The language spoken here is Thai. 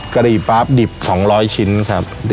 กะหรี่ป๊าบดิบ๒๐๐ชิ้นครับ